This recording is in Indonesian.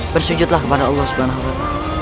bersujudlah kepada allah swt